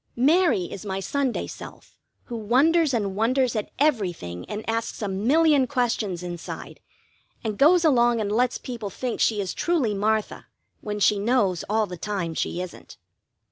Mary is my Sunday self who wonders and wonders at everything and asks a million questions inside, and goes along and lets people think she is truly Martha when she knows all the time she isn't.